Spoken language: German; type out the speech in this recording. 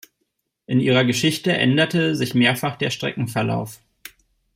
In ihrer Geschichte änderte sich mehrfach der Streckenverlauf.